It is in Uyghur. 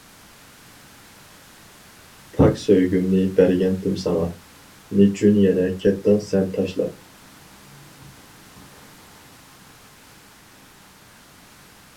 پاك سۆيگۈمنى بەرگەنتىم ساڭا، نېچۈن يەنە كەتتىڭ سەن تاشلاپ.